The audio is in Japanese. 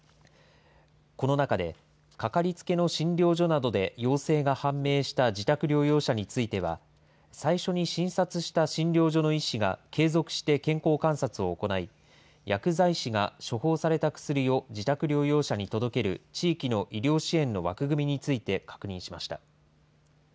この中で、かかりつけの診療所などで陽性が判明した自宅療養者については、最初に診察した診療所の医師が継続して健康観察を行い、薬剤師が処方された薬を自宅療養者に届ける地域の医療支援の枠組みについて確認しました。